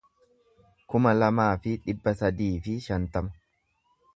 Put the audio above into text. kuma lamaa fi dhibba sadii fi shantama